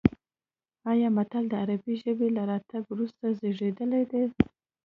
ایا متل د عربي ژبې له راتګ وروسته زېږېدلی دی